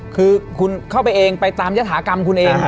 คือคุณเข้าไปเองไปตามยฐากรรมคุณเอง